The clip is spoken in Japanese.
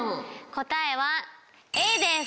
答えはＡです。